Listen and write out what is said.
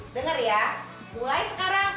dengar ya mulai sekarang